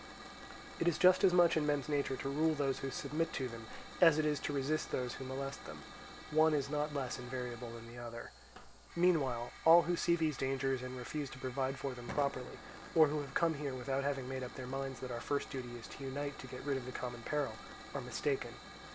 It is just as much in men's nature to rule those who submit to them, as it is to resist those who molest them; one is not less invariable than the other. Meanwhile all who see these dangers and refuse to provide for them properly, or who have come here without having made up their minds that our first duty is to unite to get rid of the common peril, are mistaken.